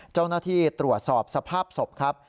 เจ้าหน้าที่ตรวจสอบสภาพศพครับ